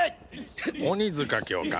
鬼塚教官